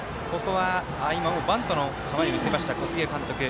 今、バントの構えを見せました小菅監督。